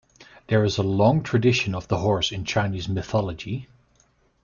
There is a long tradition of the horse in Chinese mythology.